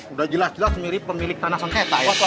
udah jelas jelas mirip pemilik tanah sengketa